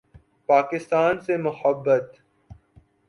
پاکستان سے محبت